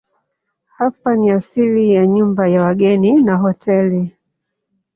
Hapa ni asili ya nyumba ya wageni na hoteli.